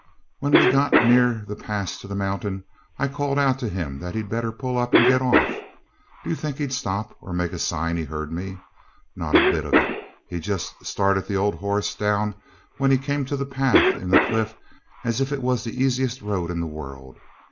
When we got near the pass to the mountain, I called out to him that he'd better pull up and get off. Do you think he'd stop or make a sign he heard me? Not a bit of it. He just started the old horse down when he came to the path in the cliff as if it was the easiest road in the world.